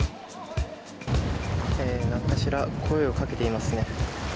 何かしら声を掛けていますね。